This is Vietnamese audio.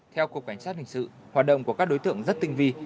theo cục cảnh sát hình sự hoạt động của các đối tượng rất tinh vi